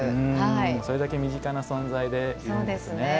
それだけ身近な存在なんですね。